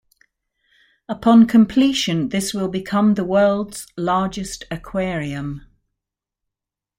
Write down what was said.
Upon completion, this will become the world's largest aquarium.